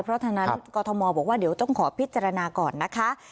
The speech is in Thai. เพราะฉะนั้นกรทมบอกว่าเดี๋ยวต้องขอพิจารณาก่อนนะคะ